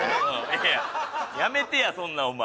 いややめてやそんなお前。